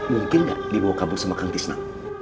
mungkin gak dibawa kabur sama kang tisna